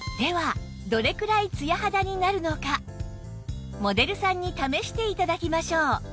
ではモデルさんに試して頂きましょう